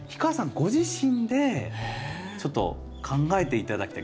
ご自身でちょっと考えて頂きたい。